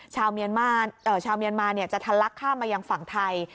ชาวเมียนมาจะทันลักข้ามมายังฝั่งไทย